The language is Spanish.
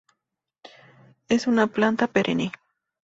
Es una planta perenne;.